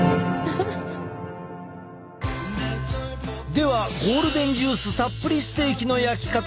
ではゴールデンジュースたっぷりステーキの焼き方だ。